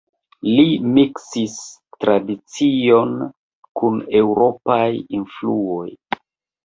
Li miksis tradicion kun eŭropaj influoj.